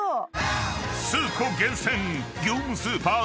［スー子厳選］